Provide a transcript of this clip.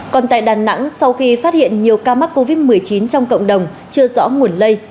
còn tại đà nẵng sau khi phát hiện nhiều ca mắc covid một mươi chín trong cộng đồng chưa rõ nguồn lây